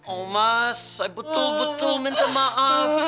oh mas saya betul betul minta maaf